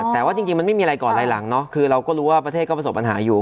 แต่ว่าจริงมันไม่มีอะไรก่อนลายหลังเนาะคือเราก็รู้ว่าประเทศก็ประสบปัญหาอยู่